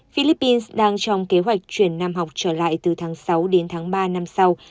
philippines đang trong kế hoạch chuyển năm học trở lại từ tháng sáu đến tháng ba năm sau